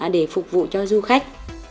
để phục vụ cho du khách